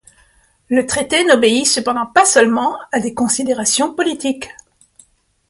Le traité n'obéit cependant pas seulement à des considérations politiques.